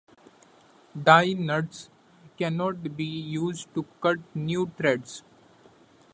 Die nuts cannot be used to cut new threads.